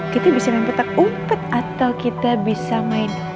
kita bisa main petak umpet atau kita bisa main